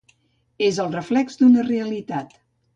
És el reflex d’una realitat.